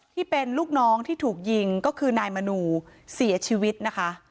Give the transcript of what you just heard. ที่เป็นลูกน้องที่ถูกยิงก็คือนายมนูเสียชีวิตนะคะ